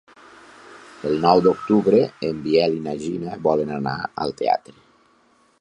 El nou d'octubre en Biel i na Gina volen anar al teatre.